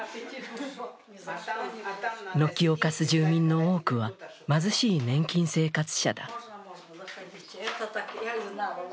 軒を貸す住民の多くは貧しい年金生活者だ。